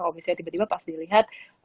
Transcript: kalau misalnya tiba tiba pas dilihat